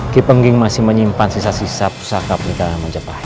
ki pengging masih menyimpan sisa sisa pusaka perintah majapahit